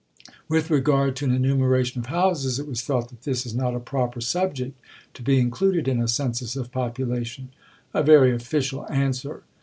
"With regard to an enumeration of houses, it was thought that this is not a proper subject to be included in a Census of population." A very official answer!